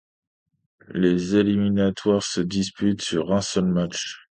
Les éliminatoires se disputent sur un seul match.